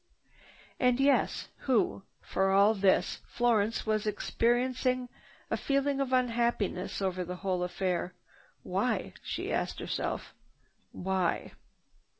Who?" Ah yes, who? For all this, Florence was experiencing a feeling of unhappiness over the whole affair. "Why?" she asked herself. "Why?"